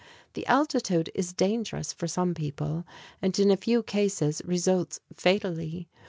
The altitude is dangerous for some people, and in a few cases results fatally.